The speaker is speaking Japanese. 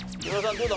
どうだ？